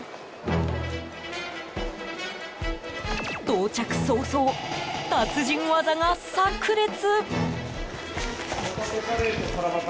到着早々、達人技が炸裂。